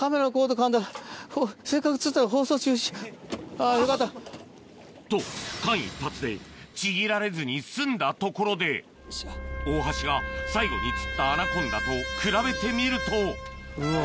あぁよかった。と間一髪でちぎられずに済んだところで大橋が最後に釣ったアナコンダと比べてみるとうわ。